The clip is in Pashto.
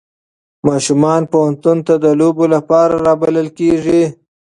ماشومان پوهنتون ته د لوبو لپاره رابلل کېږي.